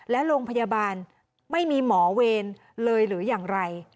และโรงพยาบาลไม่มีหมอเวรเลยหรืออย่างไร